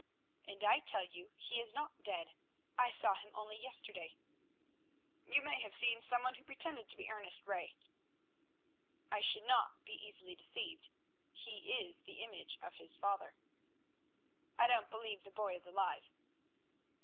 "And I tell you he is not dead. I saw him only yesterday." "You may have seen some one who pretended to be Ernest Ray." "I should not be easily deceived. He is the image of his father." "I don't believe the boy is alive."